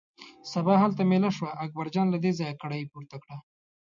سبا هلته مېله شوه، اکبرجان له دې ځایه کړایی پورته کړه.